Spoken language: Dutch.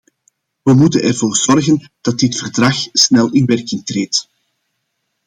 We moeten ervoor zorgen dat dit verdrag snel in werking treedt.